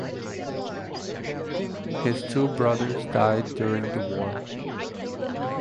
His two brothers died during the war.